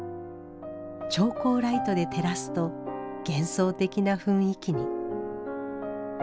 調光ライトで照らすと幻想的な雰囲気に。